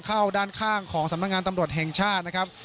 เข้าด้านข้างของสำนักงานตำรวจแห่งชาตินะครับ